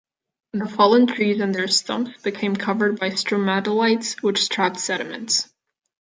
The fallen trees and their stumps became covered by stromatolites which trapped sediments.